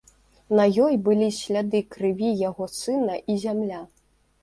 На ёй былі сляды крыві яго сына і зямля.